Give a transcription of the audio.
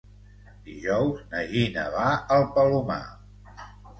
Dijous na Gina va al Palomar.